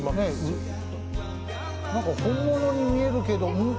何か本物に見えるけど？